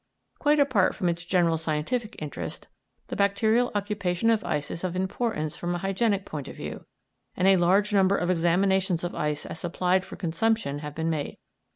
Quite apart from its general scientific interest, the bacterial occupation of ice is of importance from a hygienic point of view, and a large number of examinations of ice as supplied for consumption have been made.